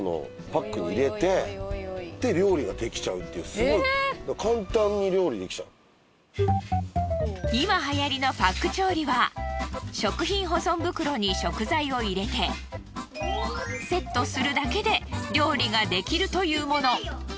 すごい簡単に今はやりのパック調理は食品保存袋に食材を入れてセットするだけで料理ができるというもの。